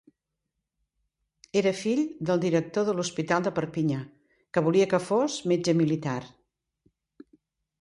Era fill del director de l'hospital de Perpinyà, que volia que fos metge militar.